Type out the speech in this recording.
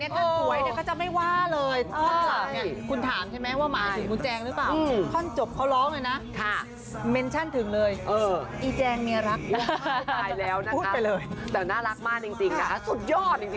ด้วยน้ำไม่หรือจำไม่ว่าเลย